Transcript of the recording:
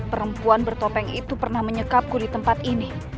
perempuan bertopeng itu pernah menyekapku di tempat ini